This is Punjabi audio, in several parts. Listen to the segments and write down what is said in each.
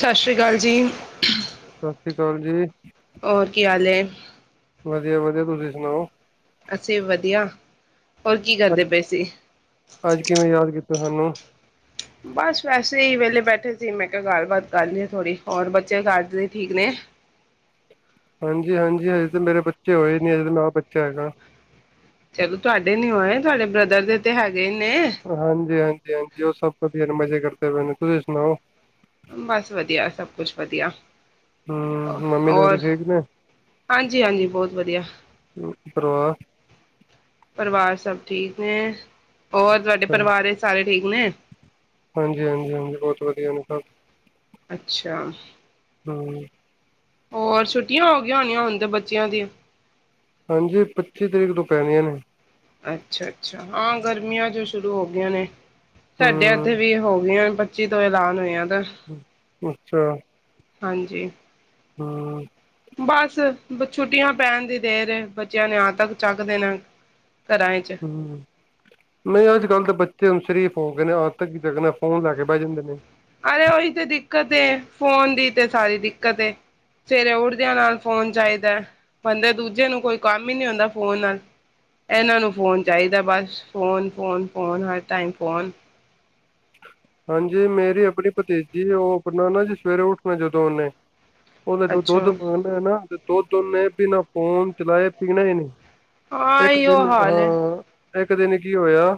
ਸ਼ਸ਼੍ਰੀ ਕਾਲ ਜੀ। ਈ ਕਾਲ ਜੀ। ਓਰ ਕੀ ਆਲ ਏ? ਵਧੀਆ, ਵਧੀਆ ਤੁਸੀਂ ਸੁਨਾਓ? ਅਸੀਂ ਵਦੀਆ। ਓਰ ਕੀ ਅੱਜ ਕਰਦੇ ਪਏ ਸੀ? ਤੁਸਨੂ ਬਸ ਵੈਸੇ ਈ ਵੇਲੇ ਬੈਠੇ ਸੀ ਮੈਂ ਕਿਆ ਗੱਲਬਤ ਕਰਲਿਏ ਥੋੜ੍ਹੀ ਹੋਰ ਬੱਚੇ ਘਰਜਵਾਈ ਠੀਕ ਨੇ? ਹਾਂਜੀ ਹਾਂਜੀ ਹਜੇ ਤੇ ਮੇਰੇ ਬੱਚੇ ਹੋਏ ਨੀ ਹਜੇ ਤੇ ਮੈਂ ਆਪ ਬੱਚਾ ਹੈਗਾ ਚਲੋ ਤੁਹਾਡੇ ਨੀ ਹੋਏ ਤੁਹਾਡੇ ਬ੍ਰਦਰ ਦੇ ਤੇ ਹੈਗੇ ਈ ਨੇ ਹਾਂਜੀ ਹਾਂਜੀ ਹਾਂਜੀ ਉਹ ਸਭ ਵਧੀਆ ਮਜ਼ੇ ਕਰਦੇ ਪਏ ਨੇ ਤੁਸੀਂ ਸੁਣਾਓ ਬਸ ਵਧੀਆ ਸਭ ਸ ਕੁਛ ਵਧੀਆ ਹਮ ਮੰਮੀ ਡੈਡੀ ਹੋਰ ਠੀਕ ਨੇ ਹਾਂਜੀ ਹਾਂਜੀ ਬਹੁਤ ਵਧੀਆ ਪਰਿਵਾਰ ਪਰਿਵਾਰ ਸਭ ਠੀਕ ਨੇ ਹੋਰ ਤੁਹਾਡੇ ਅੱਛਾ। ਪਰਿਵਾਰ ਸਾਰੇ? ਠੀਕ ਨੇ? ਹਾਂਜੀ ਹਾਂਜੀ ਹਾਂਜੀ ਬਹੁਤ ਵਧੀਆ ਨੇ ਸਭ ਹੰ ਹੋਰ ਛੁੱਟੀਆਂ ਹੋ ਣੀਆਂ ਹੁਣ ਤੇ ਬੱਚਿਆਂ ਦੀਆਂ ਹਾਂਜੀ ਪੱਚੀ ਤਰੀਕ ਤੋਂ ਪੈਣੀਆਂ ਨੇ ਅੱਛਾ ਅੱਛਾ ਹਾਂ ਗਰਮੀਆਂ ਜੋ ਸ਼ੁਰੂ ਹੋ ਗਈਆਂ ਨੇ ਸਾਡੇ ਏੱਥੇ ਹਮ ਵੀ ਹੋ ਗਈਆਂ। ਪੱਚੀ ਤੋਂ ਐਲਾਨ ਹੋਇਆ ਦਾ [unintelligible] ਅੱਛਾ ਹਾਂਜੀ ਹਾਂ ਬਸ ਛੁੱਟੀਆਂ ਪੈਨ ਦੀ ਦੇਰ ਏ ਬੱਚਿਆਂ ਨੇ ਆਤੰਕ ਚੱਕ ਦੇਨਾ ਹੂੰ, ਨਹੀਂ ਅੱਜ-ਕੱਲ ਦੇ ਬੱਚੇ ਨੂੰ ਸ਼ਰੀਫ ਓ ਕੈਨੇ ਆਤਕ ਕੀ ਚਕਨਾ ਫੋਨ ਲੈਂ ਕੇ ਬੈ ਜਾਂਦੇ ਨੇ ਅਰੇ ਉਹੀ ਤੇ ਕਦੇ, ਸਵੇਰੇ ਉਠਦੇਆਂ ਨਾਲ ਫੋਨ ਚਾਈਦਾ ਬੰਦੇ ਦੂਜੇ ਨੂੰ ਕੋਈ ਕੰਮ ਹੀ ਨਹੀਂ ਹੁੰਦਾ ਫੋਨ ਨਾਲ, ਇਹਨਾਂ ਨੂੰ ਫੋਨ ਚਾਹੀਦਾ ਬਸ ਫੋਨ, ਫੋਨ, ਫੋਨ, ਹਰ ਟਾਈਮ ਫੋਨ ਹਾਂਜੀ ਮੇਰੀ ਅਪਨੀ ਪਤੀਜੀ ਓਹ ਅਪਨਾ ਨਾ ਜੀ ਸਵੇਰੇ ਉੱਠਨਾ ਜਦੋਂ ਓਨੇ ਓਦਾ ਜੋ ਦੋਧ ਅੱਛਾ ਪਾਂਦੇ ਨਾ ਦੋਧ ਓਨੇ ਬਿਨਾ ਫੋਨ ਚਲਾਏ ਪੀਨਾ ਹੀ ਨਈ। ਹਾਂ ਏਹੀਓ ਹਾਲ ਏ ਇੱਕ ਦਿਨ ਕੀ ਹੋਯਾ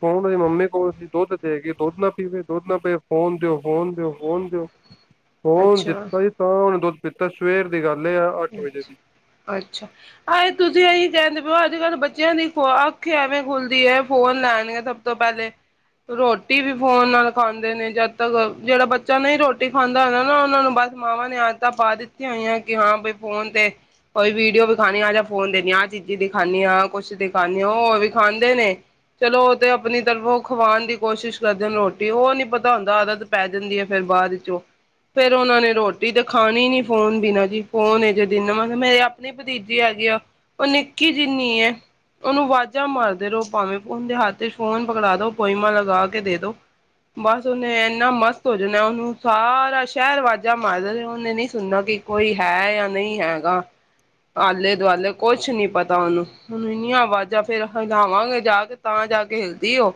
ਫੋਨ ਓਦੀ ਮੰਮੀ ਕੋਲ ਸੀ ਦੋਧ ਦੇਗੀ, ਦੋਧ ਨਾ ਪੀਵੇ, ਦੁੱਧ ਨਾ ਪ ਫੋਨ ਦਿਓ, ਫੋਨ ਦਿਓ, ਫੋਨ ਦਿਓ ਫੋਨ ਅੱਛਾ ਦਿਤਾ ਤਾਂ ਓਨੇ ਦੋਧ ਤਾਂ ਸਵੇਰ ਦੀ ਗੱਲ ਏ ਅੱਠ ਵਜੇ ਦੀ ਅਛਾ, ਅੱਛਾ ਆਏ ਤੁਸੀ ਏਈ ਕੈਂਦੇ ਅੱਜ ਕੱਲ੍ਹ ਬੱਚਿਆਂ ਦੀ ਅੱਖ ਈ ਐਵੇਂ ਖੁੱਲਦੀ ਏ ਫੋਨ ਲੈਣਗੇ ਸਭ ਤੋਂ ਪਹਿਲੇ, ਰੋਟੀ ਵੀ ਫੋਨ ਨਾਲ ਖਾਂਦੇ ਨੇ ਜਦ ਤੱਕ ਜਿਹੜਾ ਬੱਚਾ ਨਹੀਂ ਰੋਟੀ ਖਾਂਦਾ ਹੋਇਗਾ ਨਾ ਉਹਨਾਂ ਨੂੰ ਬਸ ਮਾਵਾਂ ਨੇ ਆਦਤਾਂ ਪਾ ਦਿੱਤੀਆਂ ਹੋਈਆਂ ਕਿ ਹਾਂ ਬਈ ਫੋਨ ਤੇ, ਕੋਈ ਵੀਡੀਓ ਵਿਖਾਣੀ ਆ ਜਾਂ ਫੋਨ ਦੇਣੀ ਆ, ਆਹ ਚੀਜ਼ੀ ਦਿਖਾਣੀ ਆ, ਆਹ ਕੁਛ ਦਿਖਾਨੀ ਆ, ਓਹ ਵੀਖਾਂਦੇ ਨੇ ਚਲੋ ਓਹ ਤੇ ਆਪਨੀ ਤਰਫੋਂ ਖਵਾਣ ਦੀ ਕੋਸ਼ਿਸ਼ ਕਰਦੇਨ ਰੋਟੀ ਓਹ ਨੀ ਪਤਾ ਹੋਂਦਾ ਆਦਤ ਪੈ ਜਾਂਦੀ ਏ ਫਿਰ ਬਾਅਦ ਚੋਂ ਫੇਰ ਉਹਨਾਂ ਨੇ ਰੋਟੀ ਤੇ ਖਾਣੀ ਨੀ ਫੋਨ ਬਿਨਾਂ ਜੀ ਫੋਨ ਏ ਮੇਰੇ ਆਪਣੀ ਭਤੀਜੀ ਹੈਗੀ ਆ, ਓਹ ਨਿੱਕੀ ਜਿੰਨੀ ਏ, ਓਨੂੰ ਵਾਜਾਂ ਮਾਰਦੇ ਰਹੋ ਭਾਵੇਂ ਉੰਡੇ ਹਾੱਥ ਚ ਫੋਨ ਪਕੜਾ ਦੋ, ਪੋਇਮਾ ਲਗਾ ਕੇ ਦੇ ਦੋ, ਬਸ ਓਹਨੇ ਇੰਨਾ ਮਸਤ ਹੋ ਜਾਣਾ ਓਹਨੂੰ ਸਾਰਾ ਸ਼ਹਿਰ ਵਾਜਾਂ ਮਾਰਦਾ ਜਿ ਉਹਨੇ ਨਹੀ ਸੁਣਨਾ ਕਿ ਕੋਈ ਹੈ ਯਾ ਨਹੀਂ ਹੈਗਾ ਆਲੇ ਦੁਆਲੇ ਕੁਛ ਨੀ ਪਤਾ ਓਹਨੂੰ ਹੁਣ ਇੰਨੀਆਂ ਵਾਜਾਂ ਫੇਰ ਹਂਗਾਵਾਂਗੇ ਜਾ ਕੇ, ਤਾਂ ਜਾ ਕੇ ਹਿਲਦੀ ਓਹ,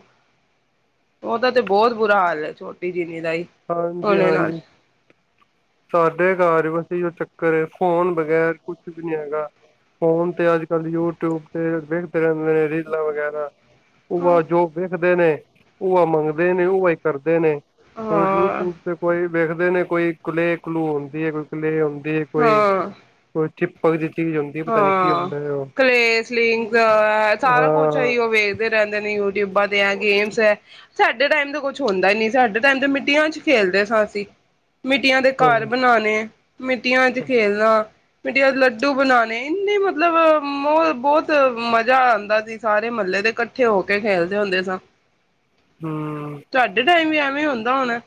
ਓਹਦਾ ਤੇ ਬੋਹਤ ਬੁਰਾ ਹਾਲ ਏ ਛੋਟੀ ਦਾ ਜਿੰਨੀ ਹੀ ਹਾਂਜੀ ਉਹਦੇ ਹਾਂਜੀ, ਨਾਲ ਸਾਡੇ ਘਰ ਵਸ ਇਓ ਚ ਘਰ ਏ ਫੋਨ ਬਗੈਰ ਕੁਛ ਭੀ ਨੀ ਹੈਗਾ ਫੋਨ ਤੇ ਅੱਜ ਕੱਲ ਯੂਟਿਊਬ ਤੇ ਵੇਖਦੇ ਰਹਿੰਦੇ ਨੇ ਰੀਲਾਂ ਵਗੈਰਾ ਓਹਾ ਜੋ ਵੇਖਦੇ ਨੇ ਉਹਾ ਮੰਗਦੇ ਨੇ ਉਹਾ ਇ ਕਰਦੇ ਨੇ ਹੋਣ ਹਾਂ, ਯੂਟਿਊਬ ਤੇ ਕੋਈ ਵੇਖਦੇ ਨੇ ਕੋਈ ਕਲੇ ਕਲੂ ਹੁੰਦੀ ਹੈ ਕੋਈ ਕਲੇ ਵੀ ਕੋਈ ਹਾਂ, ਕੁਛ ਚੀਪਕਦੀ ਹਾਂ ਕਲੇ ਸਲਿੰਕ ਸਾਰਾ ਕੁਛ ਹਾਂ ਅਈਯੋ ਵੇਖਦੇ ਰਹਿੰਦੇ ਨੇ ਯੁਟਯੂਊਬਾਂ ਤੇ ਏ ਗੇਮਸ ਹੈ, ਸਾਡੇ ਟਾਈਮ ਤੇ ਕੁਛ ਹੁੰਦਾ ਨੀ ਸਾਡੇ ਟਾਈਮ ਤੇ ਮਿੱਟੀਆਂ ਚ ਖੇਲਦੇ ਸਾਂ ਅਸੀਂ। ਮਿੱਟੀਆਂ ਦੇ ਘਰ ਹਮ ਬਣਾਨੇ। ਮਿੱਟੀਆਂ ਚ ਖੇਲਣਾ। ਮਿਟੀਯਾਂ ਦੇ ਲੱਡੂ ਬਣਾ ਨਹੀ, ਨਹੀ ਮਤਲਬ ਓਹ ਬਹੁਤ ਮਜ਼ਾ ਆੰਦਾ ਸੀ ਸਾਰੇ ਮਹੱਲੇ ਦੇ ਕੱਠੇ ਹੋ ਕੇ ਖੇਲਦੇ ਹੋਂਦੇ ਸਾਂ। ਹੂੰ। ਡੇ ਵੀ ਐਵੇਂ ਹੁੰਦਾ ਹੁਣਾ?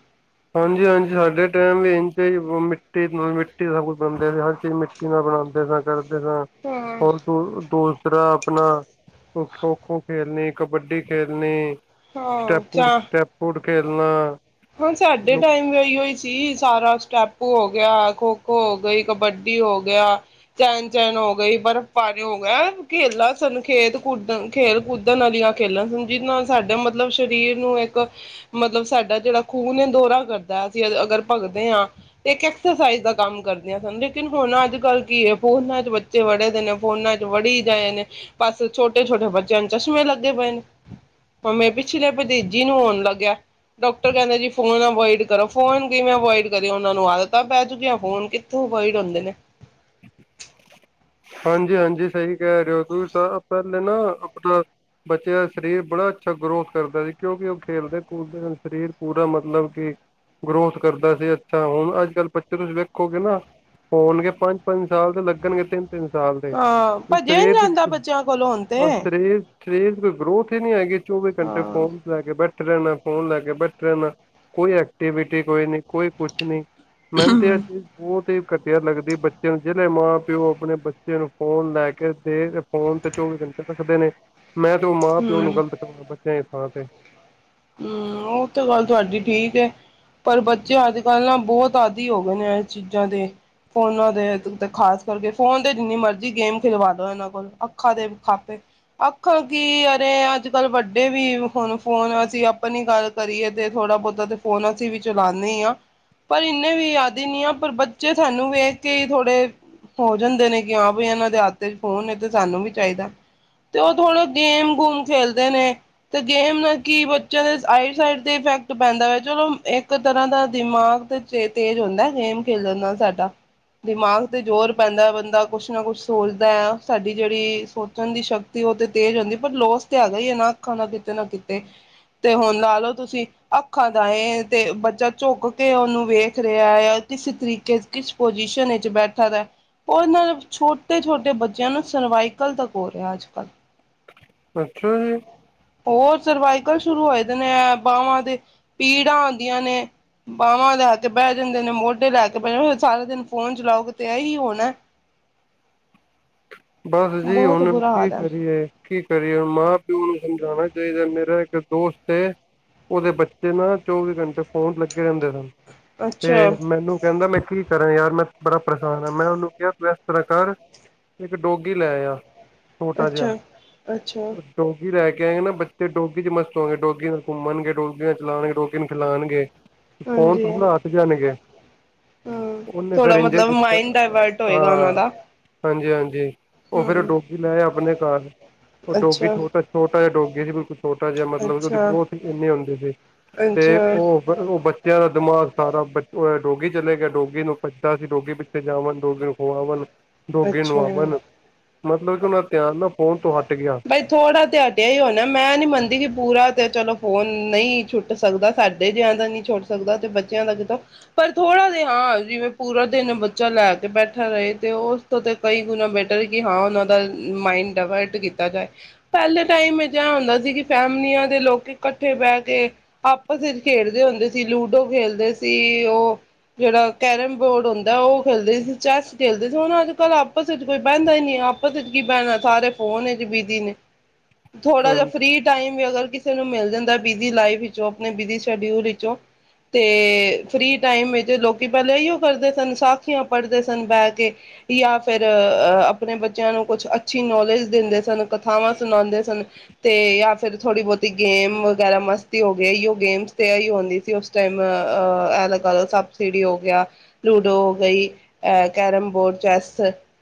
ਹਾਂਜੀ, ਹਾਂਜੀ ਸਾਡੇ ਟੈਮ ਵੀ ਇੰਜੇ ਵੋ ਮਿੱਟੀ ਨਾ ਮਿੱਟੀ ਦਾ ਸਬ ਕੁਛ ਬਨਦੇ ਸੀ ਹਰ ਚੀਜ ਮਿੱਟੀ ਨਾਲ ਬਣਾੰਦੇ ਸਾ ਕਰ ਦੇ ਸਾ, ਹਾਂ, ਹੋਰ ਤੋ ਤੋ ਤਰਾਂ ਆਪਨਾ ਖੋ -ਖੋ ਖੇਲਣੀ, ਕਬੱਡੀ ਖੇਲਨੀ ਹਾਂ, ਚਾਅ ਖੇਲਨਾ। ਹਾਂ ਸਾਡੇ ਟਾਈਮ ਵੀ ਔਈਯੋ ਈ ਸੀ ਸਾਰਾ ਟਾਪੂ ਹੋ ਗੇਆ, ਖੋ-ਖੋ ਹੋ ਗਈ, ਕਬੱਡੀ ਹੋ ਗੇਆ, ਚੈਨ-ਚੈਨ ਓ ਗਈ, ਬਰਫ ਪਾਨੀ ਓ ਗੇਆ, ਖੇਲਾਂ ਸਾਨੂੰ ਖੇਲ ਕੂਦਨ, ਖੇਲ ਕੂਦਨ ਆਲੀਆਂ ਖੇਲਾਂ ਸਂ ਜਿਦੇ ਨਾਲ ਸਾਡਾ ਮਤਲਬ ਸ਼ਰੀਰ ਨੂੰ ਇੱਕ ਮਤਲਬ ਸਾਡਾ ਜੇੜਾ ਖੂਨ ਦੋਰਾ ਕਰਦਾ ਅਸੀਂ ਅਗਰ ਭਗਦੇ ਆ, ਤੇ ਇੱਕ ਐਕਸਰਸਾਈਜ਼ ਦਾ ਕੰਮ ਕਰਦੇ ਹਨ ਲੇਕਿਨ ਹੁਨ ਅੱਜ-ਕੱਲ ਕੀ ਹੈ ਫੋਨਾ ਚ ਬੱਚੇ ਵੜੇ ਦੇ ਨੇ ਫੋਨਾ ਚ ਵੜੀ ਜਾਏ ਨੇ ਬਸ ਛੋਟੇ- ਛੋਟੇ ਬੱਚਿਆਂ ਨੂੰ ਚਸ਼ਮੇ ਲੱਗੇ ਪਏ ਨੇ। ਮੇ ਪਿਛਲੇ ਪਤੀਜੀ ਨੂੰ ਹੂੰਨ ਲੱਗਿਆ, ਡਾੱਕ ਕੈਂਦੇ ਜੀ ਫੋਨ ਅਵੋਇਡ ਕਰੋ, ਫੋਨ ਕਿਵੇਂ ਅਵੋਈਡ ਕਰਿਯੇ ਓੰਨਾਨੂੰ ਆਦਤ ਤਾਂ ਪੈ ਚੁਕਿਯਾ ਫੋਨ ਕਿੱਥੋਂ ਅਵੋਇਡ ਹੁੰਦੇ ਨੇ। ਹਾਂਜੀ ਹਾਂਜੀ, ਸਈ ਕੈ ਰੇ ਓ ਤੁਸਾਂ ਪੈਲੇ ਨਾ ਅਪਨਾ ਬੱਚਿਆਂ ਸ਼ਰੀਰ ਬੜਾ ਅੱਛਾ ਗਰੋਥ ਕਰਦਾ ਸੀ ਕੇਉਂ ਕਿ ਓਹ ਖੇਲਦੇ ਕੂਦਦੇ ਸਨ, ਸ਼ਰੀਰ ਪੂਰਾ ਮਤਲਬ ਕਿ ਗਰੋਥ ਕਰਦਾ ਸੀ, ਅੱਛਾ ਹੁਣ ਅੱਜ-ਕੱਲ ਬੱਚੇ ਤੁਸੀਂ ਵੇਖੋਗੇ ਨਾ ਹੋਣਗੇ ਪੰਜ ਪੰਜ ਸਾਲ ਦੇ ਲੱਗਨਗੇ, ਤਿੰਨ ਹਾਂ, ਪੱਜਿਆ ਨੀ ਜਾਂਦਾ ਬੱਚਿਆਂ ਕੋਲੋ ਹੁਨ ਤੇ। ਔਰ ਸਰੀਰ ਸਰੀਰ ਚ ਕੋਈ ਗਰੋਥ ਹੀ ਨੀ ਹੈਗੀ। ਚੌਵੀ ਘੰਟੇ ਹਾਂ ਫੋਨਸ ਲੈ ਕੇ ਬੈਠ ਠੇ ਰੈਨਾ, ਫੋਨ ਲੈਕੇ ਬੈਠੇ ਰੈਨਾ, ਕੋਈ ਏਕਟੀਵਿਟੀ ਕੋਈ ਨੀ ਕੋਈ ਕੁਛ ਨਈ। ਮੈਨ ਤੇ ਐ ਚੀਜ ਬੌਤ ਈ ਘਟੀਆ ਲੱਗਦੀ ਬੱਚੇ ਨੂੰ ਜੇੜੇ ਮਾਂ ਪਿਓ ਅਪਨੇ ਬੱਚੇ ਨੂੰ ਫੋਨ ਲੈ ਕੇ ਦੇ ਫੋਨ ਤੇ ਚੌਵੀ ਘੰਟੇ ਰੱਖਦੇ ਨੇ ਮੈਂ ਤੇ ਓ ਮਾਂ ਪਿਓ ਨੂੰ ਹੂੰ ਗਲਤ ਕਵਾਂਗਾ। ਬੱਚਿਆਂ ਹਾਂ ਤੇ। ਹੰਮ੍ਹ, ਓ ਤੇ ਗੱਲ ਤੋਆਡੀ ਠੀਕ ਐ। ਪਰ ਬੱਚੇ ਅੱਜ ਕੱਲ੍ਹ ਨਾ ਬੌਤ ਆਦੀ ਹੋ ਗਏ ਨੇ ਐ ਚੀਜਾਂ ਦੇ-ਫੋਨਾਂ ਦੇ, ਤੁਤੇ ਖਾਸ ਕਰਕੇ ਫੋਨ ਦੇ ਜਿੰਨੀ ਮਰਜੀ ਗੇਮ ਖਿਲਵਾ ਲੋ ਐਨਾਂ ਕੋਲ ਅੱਖਾਂ ਦੇ ਖਾਪੇ। ਅੱਖਾਂ ਕੀ, ਅਰੇ ਅੱਜ ਕੱਲ ਵੱਡੇ ਵੀ ਹੁਣ ਫੋਨ ਅਪਣੀ ਗੱਲ ਕਰੀਏ ਤੇ ਥੋੜ੍ਹਾ ਬੌਤਾ ਤੇ ਫੋਨ ਅਸੀਂ ਵੀ ਚਲਾਣੇ ਈ ਆਂ। ਪਰ ਇੰਨੇ ਵੀ ਆਦੀ ਨੀ ਆ ਪਰ ਬੱਚੇ ਸਾਨੂੰ ਵੇਖ ਕੇ ਈ ਥੋੜ੍ਹੇ, ਹੋ ਜਾਂਦੇ ਨੇ ਕਿ ਹਾਂ ਬਈ ਐਨਾਂ ਦੇ ਹਤ ਏ ਫੋਨ ਏ ਤੇ ਸਾਨੂੰ ਵੀ ਚਾਈਦਾ, ਤੇ ਓ ਥੋੜਾ ਗੇਮ ਗੂਮ ਖੇਲਦੇ ਨੇ ਤੇ ਗੇਮ ਨਾ ਕੀ ਬਚ ਚਜ਼ ਆਈਸਾਈਡ ਤੇ ਇਫੈਕਟ ਪੈਂਦਾ ਐ ਚਲੋ ਇੱਕ ਤਰਾਂ ਦਾ ਦਿਮਾਗ ਤੇ ਤੇਜ ਹੁੰਦੈ ਗੇਮ ਖੇਲਣ ਨਾਲ ਸਾਡਾ, ਦਿਮਾਗ ਤੇ ਜੋਰ ਪੈਂਦਾ ਬੰਦਾ ਕੁਛ ਨਾ ਕੁਛ ਸੋਚਦਾ ਐ, ਸਾਡੀ ਜੇੜੀ ਸੋਚਣ ਦੀ ਸ਼ਕਤੀ ਓ ਤੇ ਤੇਜ ਹੁੰਦੀ ਏ ਪਰ ਲੋਸ ਤੇ ਹੈਗਾ ਈ ਏ ਨਾ ਅੱਖਾਂ ਨਾ ਕਿਤੇ ਨਾ ਕਿਤੇ ਤੇ ਹੁਣ ਲਾ ਲੋ ਤੁਸੀਂ ਅੱਖਾਂ ਦਾ ਏ, ਤੇ ਬੱਚਾ ਝੁੱਕ ਕੇ ਓਨੂੰ ਵੇਖ ਰੇਆ ਏ ਕਿਸ ਤਰੀਕੇ ਕਿਸ ਪੋਜੀਸ਼ਨ ਏਚ ਬੈਠਾ ਦੈ। ਓਨਾ ਨਾਲ ਛੋਟੇ ਛੋਟੇ ਬੱਚਿਆਂ ਨੂੰ ਸਰਵਾਈਕਲ ਤੱਕ ਹੋ ਰੇਆ ਏ ਅੱਜ ਕੱਲ। ਅੱਛਾ ਜੀ। ਹੋਰ ਸਰਵਾਈਕਲ ਸ਼ੁਰੂ ਹੋਏ ਦੇਣੇ ਐ ਬਾਅਵਾਂ ਦੇ। ਪੀੜਾਂ ਹੂੰਦੀਆਂ ਨੇ ਬਾਅਵਾਂ ਲੈ ਕੇ ਬੈ ਜਾਂਦੇ ਨੇ, ਮੋਡੇ ਲੈ ਕੇ ਬੈ ਜਾਂ ਸਾਰਾ ਦਿਨ ਫੋਨ ਚਲਾਓਗੇ ਤੇ ਐਈ ਹੋਣੈ। ਬਸ ਜੀ ਹੁਨ ਕੀ ਕਰੀਏ ਕੀ ਕਰੀਏ ਮਾਂ ਪਿਓ ਨੂੰ ਸਮਝਾਣਾ ਚਾਈਦੈ। ਮੇਰਾ ਇੱਕ ਦੋਸਤ ਐ, ਓਦੇ ਬੱਚੇ ਨਾ ਚੌਵੀ ਘੰਟੇ ਫੋਨ ਚ ਲੱਗੇ ਰੈੰਦੇ ਨੇ। ਅੱਛਾ ਤੇ ਮੈਨੂੰ ਕੈੰਦਾ ਮੈਂ ਕੀ ਕਰਾਂ ਯਾਰ ਮੈਂ ਬੜਾ ਪਰੇਸ਼ਾਨ ਐ। ਮੈਂ ਓਨੂੰ ਕੇਆ ਤੂੰ ਐਸ ਤਰ੍ਹਾਂ ਕਰ ਇੱਕ ਡੋਗੀ ਲੈ ਆ। ਛੋਟਾ ਜੇਆ। ਅੱਛਾ ਅੱਛਾ ਓ ਡੋਗੀ ਰੈ ਕੈ ਨਾ ਬੱਚੇ ਡੋਗੀ ਚ ਮਸਤ ਹੋਂਗੇ, ਡੋਗੀ ਨਾਲ ਘੁੰਮਣਗੇ, ਡੋਗ ਨਾਲ ਚਲਾਣਗੇ, ਡੋਗੀ ਨੂੰ ਖਿਲਾਣਗੇ। ਫੋਨ ਹਾਂਜੀ ਤੋਂ ਨਾ ਅੱਕ ਜਾਣਗੇ। ਹਮ ਓਹਨੇ ਫਿਰ ਥੋੜਾ ਇੰਜ ਈ ਮਤਲਬ ਕੀਤਾ। ਮਾਇੰਡ ਡਾਇਵਰਟ ਹੋਏਗਾ ਹਾਂ, ਉਹਨਾਂ ਦਾ ਹਾਂਜੀ-ਹਾਂਜੀ ਜੀ ਉਹ ਫੇਰ ਹਮ ਡੋਗੀ ਲੈ ਆਯਾ ਆਪਣੇ ਕਰ, ਉਹ ਡੋਗੀ ਅੱਛਾ ਛੋਟਾ ਛੋਟਾ ਜਿਹਾ ਡੋਗੀ ਸੀ ਬਿਲਕੁਲ ਛੋਟਾ ਜਿਹਾ ਮਤਲਬ ੳਹਦੀ ਅੱਛਾ ਪੂੰਛ ਵੀ ੲਹਨੀ ਹੁੰਦੀ ਸੀ ਤੇ ਅੱਛਾ ਉਹ ਫੇਰ ਉਹ ਬ- ਬੱਚਿਆਂ ਦਾ ਦਿਮਾਗ ਸਾਰਾ ਬ ਡੋਗੀ ਚਲੇ ਗਿਆ, ਡੋਗੀ ਨੂੰ ਪੱਜਦਾ ਸੀ ਡੋਰੀ ਪਿੱਛੇ ਜਾਵਾਣ ਡੋਗੀ ਨੂੰ ਖਵਾਵਣ ਡੋਗੀ ਨੂੰ ਆਪ ਅੱਛਾ ਵੱਨ ਮਤਲਬ ਕਿ ਉੰਨਾ ਦਾ ਧਿਆਨ ਨਾ ਫੋਨ ਤੋਂ ਹਟ ਗਿਆ ਬਈ ਥੋੜਾ ਤੇਹਾਟਿਆ ਹੀ ਹੋਣਾ ਮੈਂ ਨੀ ਮੰਨਦੀ ਕਿ ਪੂਰਾ ਤੇ ਚਲੋ ਫੋਨ ਨਹੀਂ ਛੁੱਟ ਸਕਦਾ ਸਾਡੇ ਜਿਆਂ ਦਾ ਨਹੀਂ ਛੁੱਟ ਸਕਦਾ ਤੇ ਬੱਚਿਆਂ ਦਾ ਕਿਥੋਂ ਪਰ ਥੋੜ੍ਹਾ ਜ ਹਾਂ ਜਿਵੇਂ ਪੂਰਾ ਦਿਨ ਬੱਚਾ ਲੈ ਕੇ ਬੈਠਾ ਰਹੇ ਤੇ ਉਸ ਤੋਂ ਤੇ ਕਈ ਗੁਣਾ ਬੈਟਰ ਕਿ ਹਾਂ ਉਹਨਾਂ ਦਾ ਮਾਇਡ ਡਾਇਵਰਟ ਕੀਤਾ ਪਹਿਲੇ ਟਾਈਮ ਵਿੱਚ ਇਹ ਹੁੰਦਾ ਸੀ ਕਿ ਫੈਮਲੀਆਂ ਦੇ ਲੋਕੀ ਕੱਠੇ ਬਹਿ ਕੇ ਆਪਸ ਵਿੱਚ ਖੇਡਦੇ ਹੁੰਦੇ ਸੀ ਲੂਡੋ ਖੇਡਦੇ ਸੀ ਉਹ ਜਿਹੜਾ ਕੈਰਮ ਬੋਰਡ ਹੁੰਦਾ ਉਹ ਖੇਡਦੇ ਸੀ ਚੈਸ ਖੇਡਦੇ ਸੀ ਹੁਣ ਅੱਜ ਕੱਲ੍ਹ ਆਪਸ ਵਿੱਚ ਕੋਈ ਬਹਿੰਦਾ ਹੀ ਨਹੀਂ ਆਪਸ ਵਿੱਚ ਕੀ ਬਹਿਣਾ ਸਾਰੇ ਫੋਨ ਚ ਚ ਬਿਜ਼ੀ ਨੇ। ਥੋੜਾ ਹਾਂ ਜਿਹਾ ਫਰੀ ਟਾਈਮ ਵੀ ਅਗਰ ਕਿਸੇ ਨੂੰ ਮਿਲ ਜਾਂਦਾ ਬਿਜੀ ਲਾਈਫ ਵਿੱਚੋਂ ਆਪਣੇ ਬਿਜੀ ਸ਼ਡਿਊਲ ਵਿੱਚੋਂ ਤੇ ਫ੍ਰੀ ਟਾਈਮ ਵਿੱਚ ਲੋਕੀ ਪਹਿਲਾਂ ਇਓ ਕਰਦੇ ਸਨ ਸਾਖੀਆਂ ਪੜ੍ਹਦੇ ਸਨ ਬਹਿ ਕੇ ਜਾਂ ਫਿਰ ਅ ਆਪਣੇ ਬੱਚਿਆਂ ਨੂੰ ਕੁਛ ਅੱਛੀ ਨੌਲੇਜ ਦਿੰਦੇ ਸ ਕਥਾਵਾਂ ਸੁਣਾਉਂਦੇ ਸਨ ਤੇ ਜਾਂ ਫਿਰ ਥੋੜੀ ਬਹੁਤੀ ਗੇਮ ਵਗੈਰਾ ਮਸਤੀ ਹੋ ਗਈ ਉਹ ਗੇਮਸ ਤੇ ਇਹੀ ਹੁੰਦੀ ਸੀ ਉਸ ਟਾਈਮ ਅਹ ਲ ਸੱਪ-ਸਿਡੀ ਹੋ ਗਿਆ, ਲੂਡੋ ਹੋ ਗਈ, ਅ ਕੈਰਮ ਬੋਰਡ, ਚੈਸ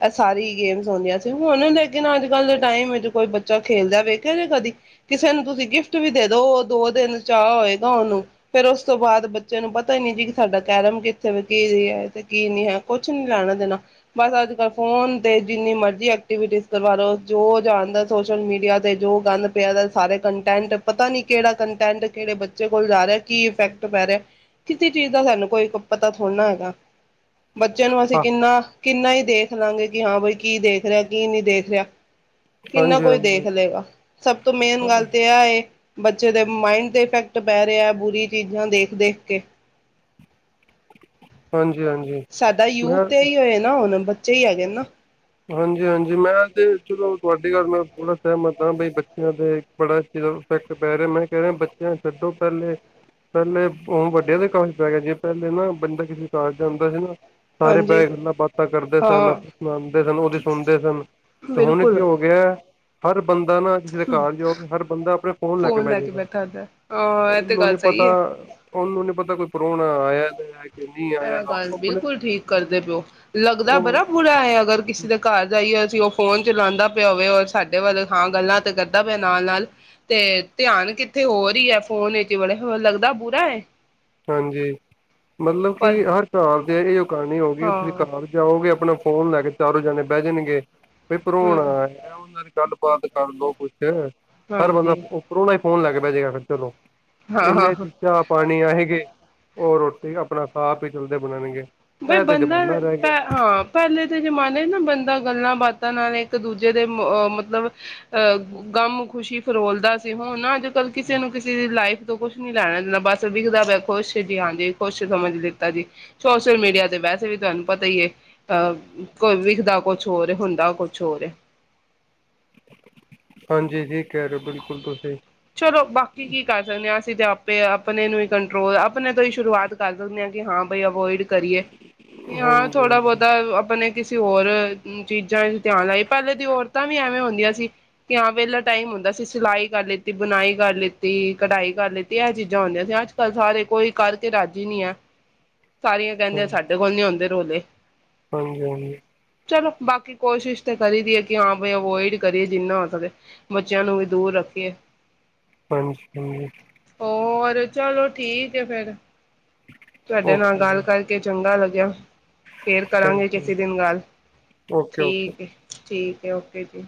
ਇਹ ਸਾਰੀ ਗੇਮਸ ਹੁੰਦੀਆਂ ਸੀ ਹੁਣ ਲੇਕਿਨ ਅੱਜ ਕੱਲ ਟਾਈਮ ਚ ਕੋਈ ਬੱਚਾ ਖੇਲਦਾ ਵੇਖਯਾ ਕਦੀ ਕਿਸੇ ਨੂੰ ਤੁਸੀਂ ਗਿਫਟ ਵੀ ਦੇ ਦੋ ਦੋ ਦਿਨ ਚਾਅ ਹੋਏਗਾ ਉਹਨੂੰ ਫੇਰ ਉਸ ਤੋਂ ਬਾਅਦ ਬੱਚੇ ਨੂੰ ਪਤਾ ਹੀ ਨਹੀਂ ਜੀ ਕਿ ਸਾਡਾ ਕੈਰਮ ਕਿੱਥੇ ਕੀ ਹੈ ਕੀ ਨੀ ਹੈ ਕੁਛ ਨੀ ਲੈਣਾ ਦੇਣਾ ਬਸ ਅੱਜਕੱਲ੍ਹ ਫੋਨ ਤੇ ਜਿੰਨੀ ਮਰਜ਼ੀ ਐਕਟੀਵਿਟੀ ਕਰਵਾ ਲੋ। ਜੋ ਜਾਣਦਾ ਸੋਸ਼ਲ ਮੀਡੀਆ ਤੇ ਜੋ ਗੰਦ ਪਿਆਦਾ ਸਾਰੇ ਕੰਟੈਂਟ ਪਤਾ ਨੀ ਕਿਹੜਾ ਕੰਟੈਂਟ ਕਿਹੜੇ ਬੱਚੇ ਕੋਲ ਜਾ ਰਿਹਾ ਕੀ ਇਫੈਕਟ ਪੈ ਰਿਹਾ ਕਿਸੇ ਚੀਜ਼ ਦਾ ਸਾਨੂੰ ਕੋਈ ਪਤਾ ਥੋੜਣਾ ਹੈਗਾ। ਬੱਚਿਆਂ ਨੂੰ ਅਸੀਂ ਕਿੰਨਾ-ਕਿੰਨਾ ਹੀ ਦੇਖ ਲਾਂਗੇ ਕਿ ਹਾਂ ਬਾਈ ਕੀ ਦੇਖ ਰਿਹਾ ਕੀ ਨਹੀਂ ਦੇਖ ਰਿਹਾ। ਕਿੰਨਾ ਹਾਂਜੀ ਕੁਈ ਹਾਂਜੀ ਦੇਖ ਲਏਗਾ ਸਭ ਤੋਂ ਮੇਨ ਗੱਲ ਤੇ ਇਹ ਹੈ। ਬੱਚੇ ਦੇ ਮਾਇੰਡ ਤੇ ਇਫੈਕਟ ਪੈ ਰਿਹਾ ਬੁਰੀ ਚੀਜ਼ਾਂ ਦੇਖ ਦੇਖ ਕੇ। ਹਾਂਜੀ। ਹਾਂਜੀ ਸਾਡਾ ਯੂਥ ਮੈਂ ਤੇ ਇਹ ਹੀ ਹੈ ਨਾ ਹੁਣ ਬਚ ਬੱਚੇ ਹੀ ਹੈਗੇ ਨਾ। ਹਾਂਜੀ- ਹਾਂਜੀ, ਮੈਂ ਤੇ ਚਲੋ ਤੁਹਾਡੀ ਗੱਲ ਮੈਂ ਮ ਬੜਾ ਸਹਿਮਤ ਹਾਂ ਬਈ ਬੱਚਿਆਂ ਦੇ ਬੜਾ ਜਿਆਦਾ ਇਫੈਕਟ ਪੈ ਰਿਹਾ ਮੈਂ ਕਹਿ ਰਿਹਾ ਬੱਚਿਆਂ ਛੱਡੋ ਪਹਿਲੇ, ਪਹਿਲੇ ਹੁਣ ਵੱਡਿਆਂ ਦੇ ਕਾਫ਼ੀ ਪੈ ਗਿਆ ਜੇ ਪਹਿਲੇ ਨਾ ਬੰਦਾ ਕਿਸੇ ਘਰ ਜਾਦਾ ਸੀ ਨਾ ਜਾਂਦਾ ਸੀ ਨਾ- ਸਾਰੇ ਹਾਂਜੀ ਬੈਂਹ ਕੇ ਗੱਲਾਂ ਬਾਤਾਂ ਕਰਦੇ ਸਨ ਹਾਂ ਅਪਨਾ। ਫੇਰ ਸਾਨੂ ਉਹਦੀ ਸੁਣਦੇ ਸਨ, ਤੇ ਹੁਣ ਕੀ ਬਿਲਕੁਲ ਹੋ ਗਿਆ। ਹਰ ਬੰਦ ਬੰਦਾ ਨਾ ਜਿਵੇ ਕਰ ਜਾਓ ਹਰ ਬੰਦਾ ਆਪਣੇ ਫੋਨ ਲੈ ਕੇ ਬਹਿ ਜੇਗਾ, ਬੈਠਾ ਹੁੰਦਾ ਹਾਂ ਇਹ ਤੇ ਉਹਨੂੰ ਨੀ ਗੱਲ ਪਤਾ ਸਹੀ ਹੈ ਉਹਨੂੰ ਨੀ ਪਤਾ ਕੋਈ ਪਰੋਣਾ ਆਇਆ ਦਾ ਹੈ ਕਿ ਨਹੀਂ ਆਇਆ ਇਹ ਦਾ ਗੱਲ ਉਹ ਆਪਣੇ ਬਿਲਕੁਲ ਠੀਕ ਕਰਦੇ ਪਓ ਲੱਗਦਾ ਉਹ ਬੜਾ ਬੁਰਾ ਹੈ ਅਗਰ ਕਿਸੇ ਦੇ ਕਰ ਜਾਈਏ ਤੇ ਉਹ ਫੋਨ ਚਾਲਾਂਦਾ ਪਿਆ ਹੋਵੇ ਸਾਡੇ ਵੱਲ ਹਾਂ ਗੱਲਾਂ ਤੇ ਕਰਦਾ ਪਿਆ ਨਾਲ-ਨਾਲ, ਤੇ ਧਿਆਨ ਕਿੱਥੇ ਹੋਰ ਹੀ ਹੈ ਫੋਨ ਵਿੱਚ ਬੜੇ ਹੋ ਲੱਗਦਾ ਬੁਰਾ ਹੈ। ਹਾਂਜੀ। ਮਤਲਬ ਕਿ ਪਰ ਹਰ ਕਰ ਦੇ ਇਹ ਉਹ ਕਹਾਣ [unintelligible] ਹੋਗੀ ਤੁਸੀਂ ਹਾਂ ਕਰ ਜਾਓਗੇ ਆਪਣਾ ਫੋਨ ਲੈ ਕੇ ਚਾਰੋ ਜਣੇ ਬੇਜਣਗੇ ਫ ਭਰੋਣਾ ਹਮ ਆ ਉਹਨਾਂ ਦੀ ਗੱਲ ਬੰਦ ਕਰ ਲੋ ਕੁੱਛ ਹਰ ਬੰਦਾ ਹਾਂਜੀ ਓਪਰੋ ਫੋਨ ਲੈਕੇ ਬੈਜੇਗਾ ਫਿਰ ਚਲੋ ਹਾਂ ਹਾਂ ਏੰਨੇ ਹਾਂ ਚੀਜਾ ਪਾਨੀ ਆ ਓ ਰੋਟੀ ਅਪਨਾ ਖਾ ਪੀ ਚਲਦੇ ਬਣਨਗੇ। ਬਈ ਇਹ ਤੇ ਬੰਦਾ ਜ਼ਮਾਨਾ ਰਹਿ ਪੈ, ਗਿਆ ਹਾਂ, ਪੈਲੇ ਦੇ ਜਮਾਨੇ ਨਾ ਬੰਦਾ ਗੱਲਾਂ ਬਾ ਤਾ ਨਾਲ ਇੱਕ ਦੂਜੇ ਦੇ ਮਆ ਮਤਲਬ ਅਹ ਗਮ ਖੁਸ਼ੀ ਫਰੋਲਦਾ ਸੀ ਹੁਨ ਅਜ ਕਿਸੇ ਨੂੰ ਕਿਸੇ ਦੀ ਲਾਈਫ ਕੁਛ ਨੀ ਲੈਣਾ-ਦੇਨਾ ਬਸ ਵਿਖਦਾ ਪਿਆ ਖੁਸ਼ ਏ ਜੀ, ਹਾਂਜੀ ਖੁਸ਼ ਸਮਝ ਲਿੱਤਾ ਜੀ, ਸੋ ਚਲ ਮੀਡੀਆ ਤੇ ਵੈਸੇ ਵੀ ਤੁਆਨੂੰ ਪਤਾ ਈ ਏ, ਅਹ ਕੋ ਵੀਖਦਾ ਕੁਛ ਹੋਰ ਏ, ਹੁੰਦਾ ਕੁਛ ਹੋਰ ਏ। ਹਾਂਜੀ, ਠੀ ਕੈਰੇ ਓ ਬਿਲਕੁਲ ਤੁਸੀਂ। ਚਲੋ ਬਾਕੀ ਕੀ ਕਰ ਸਕਨੇ ਆ ਅਸੀਂ ਤੇ ਆਪ ਪੇ ਆਪਣੇ ਨੂੰ ਈ ਕੰਟਰੋਲ ਅਪ ਅਪਨੇ ਤੋਂ ਹੀ ਸ਼ੁਰੂਆਤ ਕਰ ਸਕਨੇ ਆ ਹਾਂ ਬਈ ਅਵੋਇਡ ਕਰੀਏ, ਵੀ ਹਾਂ ਥੋੜਾ ਹਾਂਜੀ ਬਹੁਤਾ ਅਪਨੇ ਕਿਸੇ ਓਰ ਚੀਜਾਂ ਚ ਧਿਆਨ ਲਾਈ ਪਹਿਲੇ ਦੀ ਔਰਤਾਂ ਵੀ ਐਵੇਂ ਹੁੰਦੀਆਂ ਸੀ ਕਿ ਹਾ ਵੇਲਾ ਟਾਈਮ ਹੁੰਦਾ ਸੀ ਸਿਲਾਈ ਕਰ ਲੀ ਤੀ, ਬੁਨਾਈ ਕਰ ਲਿੱਤੀ, ਕਢਾਈ ਕਰ ਲਿੱਤੀ, ਏ ਚੀਜਾ ਹੁੰਦੀਆਂ ਸੀ ਅੱਜ-ਕੱਲ ਸਾਰੇ ਕੋਈ ਕਰਕੇ ਰਾਜੀ ਨਈ ਐ। ਸਾਰੀਆਂ ਕਹਿੰਦੇ ਆ ਹਾਂਜੀ ਸਾਡੇ ਕੋਲ ਨੀ ਹੋਂਦੇ। ੋਦੇ ਹਾਂਜੀ ਹਾਂਜੀ। ਚਲੋ ਬਾਕੀ ਕੋਸ਼ਿਸ਼ ਤੇ ਕਰੀ ਦੀਏ ਕਿ ਹਾਂ ਬਈ ਅਵੋਇਡ ਕਰੀਏ ਜਿੰਨਾ ਹੋ ਸਕੇ ਬੱਚਿਆਂ ਨੂੰ ਵੀ ਦੂਰ ਰੱਖੀਏ। ਹਾਂਜੀ ਹਾਂਜੀ ਹੋਰ ਚਲੋ ਠੀਕ ਏ ਫੇਰ ਤੁਹਾਡੇ ਨਾਲ ਓਕੇ ਗੱਲ ਜੀ ਕਰਕੇ ਚੰਗਾ ਲੱਗ ਯਾ। ਫੇਰ ਥੈਂਕ ਕਰਾਂਗੇ ਯੂ ਕਿਸੀ ਦਿਨ ਗੱਲ ਓਕੇ ਓਕੇ ਠੀਕ ਏ। ਠੀਕ ਹੈ ਓਕੇ ਜੀ।